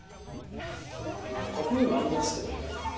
ここにもありますけどね。